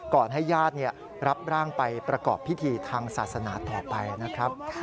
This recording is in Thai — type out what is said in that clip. ให้ญาติรับร่างไปประกอบพิธีทางศาสนาต่อไปนะครับ